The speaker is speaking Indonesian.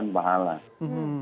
yang kita dapat bukan pahala